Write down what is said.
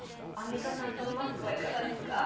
アンミカさんそのマスクはいかがですか。